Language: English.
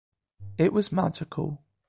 It was magical.